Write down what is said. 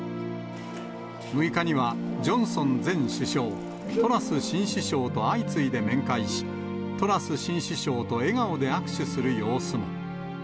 ６日には、ジョンソン前首相、トラス新首相と相次いで面会し、トラス新首相と笑顔で握手する様子も。